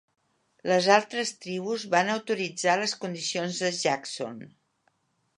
Les altres tribus van autoritzar les condicions de Jackson.